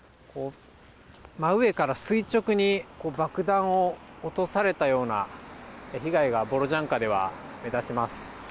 真上から垂直に爆弾を落とされたような被害が、ボロジャンカでは目立ちます。